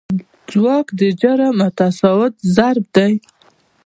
ځواک د جرم او تساعد ضرب دی.